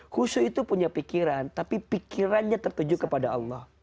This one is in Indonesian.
khusyuk itu punya pikiran tapi pikirannya tertuju kepada allah